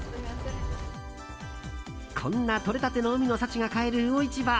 こんなとれたての海の幸が買える魚市場。